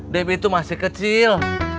debi itu masih kecil